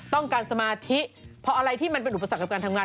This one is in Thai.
ต้องการสมาธิพออะไรที่มันเป็นอุปสรรคกับการทำงาน